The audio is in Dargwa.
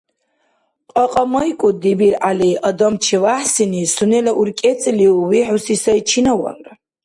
КьакьамайкӀуд, ДибиргӀяли, адам ЧевяхӀсини сунела уркӀецӀилиув вихӀуси сай чинавалра.